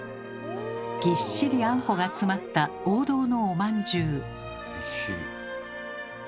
ぎっしりあんこが詰まった王道のおまんじゅう。